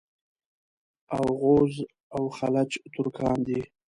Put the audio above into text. اوغوز او خَلَج ترکان دي.